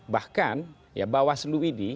bahkan ya bawaslu ini